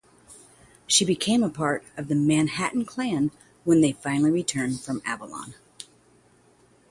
She became a part of the Manhattan Clan when they finally returned from Avalon.